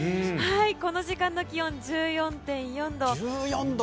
この時間の気温、１４．４度。